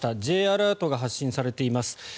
Ｊアラートが発信されています。